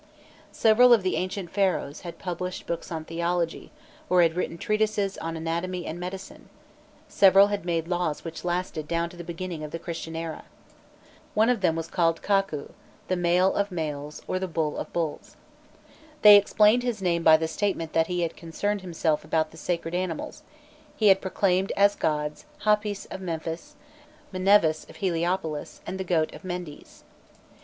Several of the ancient Pharaohs had published books on theology, or had written treatises on anatomy and medicine; several had made laws which lasted down to the beginning of the Christian era. One of them was called Kakôû, the male of males, or the bull of bulls. They explained his name by the statement that he had concerned himself about the sacred animals; he had proclaimed as gods, Hâpis of Memphis, Mnevis of Heliopolis, and the goat of Mendes.